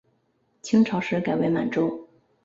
清朝时改为满洲。